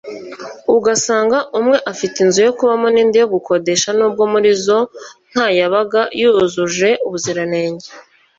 ugasanga umwe afite inzu yo kubamo n’indi yo gukodesha n’ubwo muri zose ntayabaga yuzuje ubuziranenge